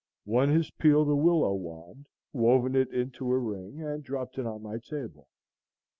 One has peeled a willow wand, woven it into a ring, and dropped it on my table.